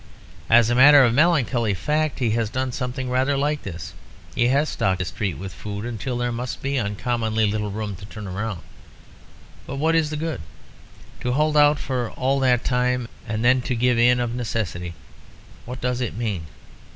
As a matter of melancholy fact, he has done something rather like this. He has stocked his street with food until there must be uncommonly little room to turn round. But what is the good? To hold out for all that time and then to give in of necessity, what does it mean?